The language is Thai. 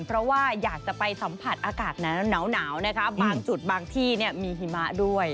เพราะว่าอยากจะไปสัมผัสอากาศหนาวนะคะบางจุดบางที่มีหิมะด้วย